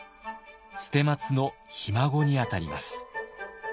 捨松のひ孫にあたります。